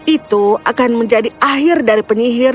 itu akan menjadi akhir dari penyihir